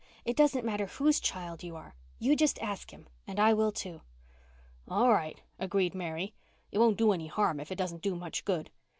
"It doesn't matter whose child you are. You just ask Him—and I will, too." "All right," agreed Mary. "It won't do any harm if it doesn't do much good.